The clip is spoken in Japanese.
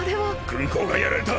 軍港がやられた！！